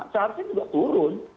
seharusnya juga turun